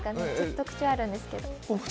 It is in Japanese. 特徴あるんですけど。